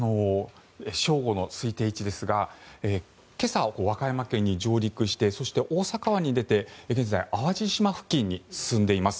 正午の推定位置ですが今朝、和歌山県に上陸してそして大阪湾に出て現在、淡路島付近に進んでいます。